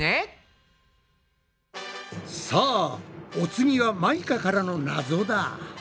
さあお次はマイカからのナゾだ。